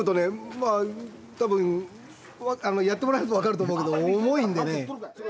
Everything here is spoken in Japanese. まあ多分やってもらうと分かると思うけど重いんでね。